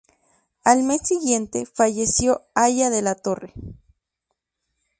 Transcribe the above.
Al mes siguiente, falleció Haya de la Torre.